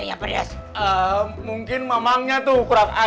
ngerjain saya kamu